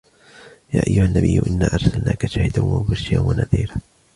يا أيها النبي إنا أرسلناك شاهدا ومبشرا ونذيرا